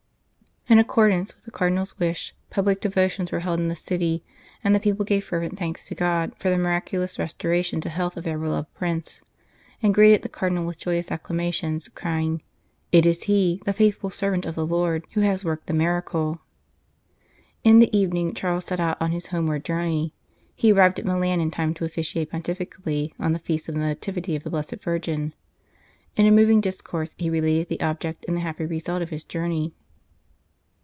In accordance with the Cardinal s wish, public devotions were held in the city, and the people gave fervent thanks to God for the miraculous restoration to health of their beloved Prince, and greeted the Cardinal with joyous acclamations, crying :" It is he, the faithful servant of the Lord, who has worked the miracle." In the evening Charles set out on his home ward journey. He arrived at Milan in time to officiate pontifically on the Feast of the Nativity of the Blessed Virgin. In a moving discourse he related the object and the happy result of his journey.